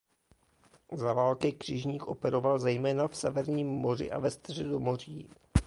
Za války křižník operoval zejména v Severním moři a ve Středomoří.